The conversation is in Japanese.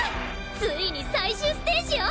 ついに最終ステージよ！